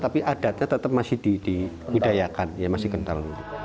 tapi adatnya tetap masih di budayakan masih kental